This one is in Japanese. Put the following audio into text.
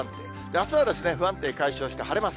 あすは不安定解消して、晴れます。